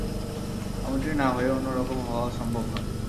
এমনটি না হয়ে অন্য রকম হওয়া সম্ভব নয়।